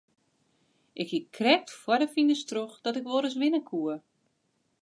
Ik hie krekt foar de finish troch dat ik wol ris winne koe.